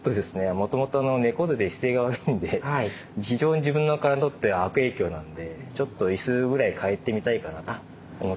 もともとの猫背で姿勢が悪いんで非常に自分の体にとって悪影響なんでちょっと椅子ぐらい替えてみたいかなと思ってまして。